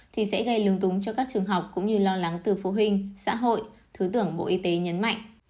thì sẽ gây lung túng cho các trường học cũng như lo lắng từ phụ huynh xã hội thứ trưởng bộ y tế nhấn mạnh